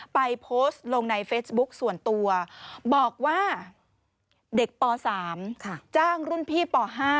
โพสต์ลงในเฟซบุ๊คส่วนตัวบอกว่าเด็กป๓จ้างรุ่นพี่ป๕